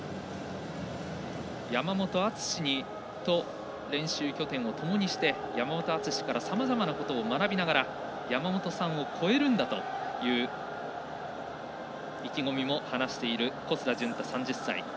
山本篤と練習拠点をともにして、山本篤からさまざまなことを学びながら山本さんを超えるんだという意気込みも話している小須田潤太、３０歳。